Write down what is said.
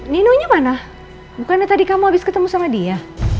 ninonya mana bukannya tadi kamu habis ketemu sama dia